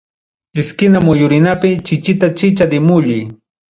Esquina muyurinapi, chichita chicha de molle.